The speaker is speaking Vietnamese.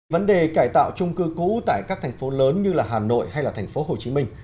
vấn đề cải tạo trung cư cũ tại các thành phố lớn như hà nội hay là thành phố hồ chí minh